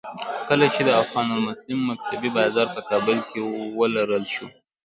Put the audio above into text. کله چې د اخوان المسلمین مکتبې بازار په کابل کې ولړل شو.